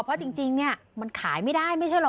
เพราะจริงเนี่ยมันขายไม่ได้ไม่ใช่เหรอ